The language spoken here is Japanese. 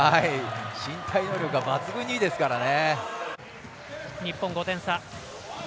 身体能力が抜群にいいですからね。